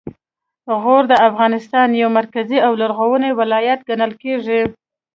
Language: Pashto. غور د افغانستان یو مرکزي او لرغونی ولایت ګڼل کیږي